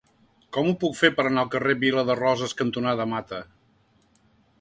Com ho puc fer per anar al carrer Vila de Roses cantonada Mata?